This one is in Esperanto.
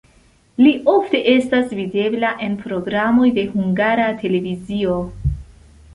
Li ofte estas videbla en programoj de Hungara Televizio.